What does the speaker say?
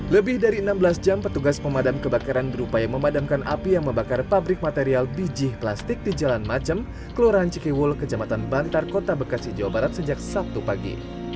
lebih dari enam belas jam petugas pemadam kebakaran berupaya memadamkan api yang membakar pabrik material bijih plastik di jalan majem kelurahan cikiwul kejamatan bantar kota bekasi jawa barat sejak sabtu pagi